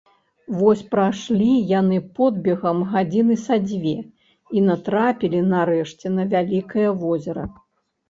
Вось прайшлі яны подбегам гадзіны са дзве і натрапілі нарэшце на вялікае возера